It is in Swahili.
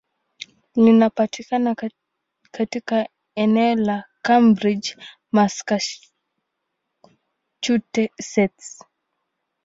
Linapatikana katika eneo la Cambridge, Massachusetts.